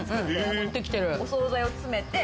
お惣菜を詰めて。